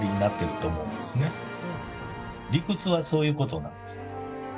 理屈はそういう事なんです。